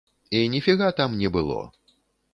І ніфіга там не было.